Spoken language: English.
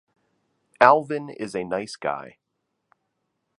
Alvyn is a nice guy.